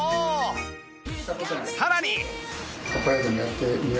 さらに